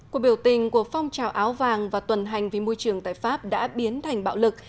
cuộc biểu tình của phong trào áo vàng và tuần hành vì môi trường tại pháp đã biến thành bạo lực